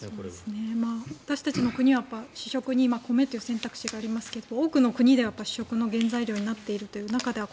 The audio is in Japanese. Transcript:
私たちの国は主食に米という選択肢がありますが多くの国では主食の原材料になっているという中では